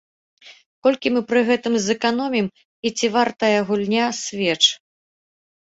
Колькі мы пры гэтым зэканомім, і ці вартая гульня свеч?